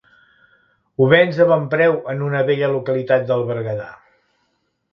Ho vens a bon preu en una bella localitat del Berguedà.